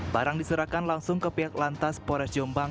barang diserahkan langsung ke pihak lantas pores jombang